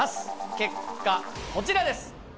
結果こちらです！